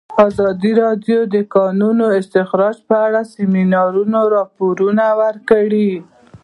ازادي راډیو د د کانونو استخراج په اړه د سیمینارونو راپورونه ورکړي.